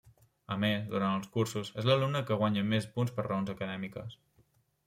A més, durant els cursos, és l'alumna que guanya més punts per raons acadèmiques.